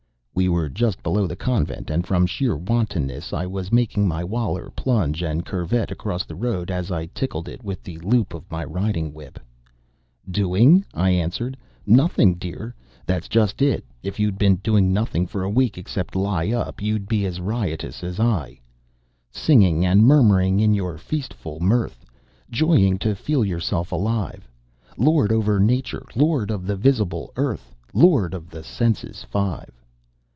We were just below the Convent, and from sheer wantonness I was making my Waler plunge and curvet across the road as I tickled it with the loop of my riding whip. "Doing?" I answered; "nothing, dear. That's just it. If you'd been doing nothing for a week except lie up, you'd be as riotous as I." "'Singing and murmuring in your feastful mirth, Joying to feel yourself alive; Lord over Nature, Lord of the visible Earth, Lord of the senses five.